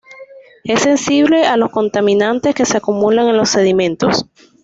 Es sensible a los contaminantes que se acumulan en los sedimentos.